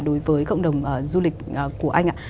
đối với cộng đồng du lịch của anh